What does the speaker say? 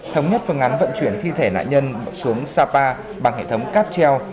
thống nhất phương án vận chuyển thi thể nạn nhân xuống sapa bằng hệ thống cáp treo